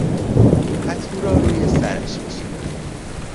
پتو را روی سرش کشید.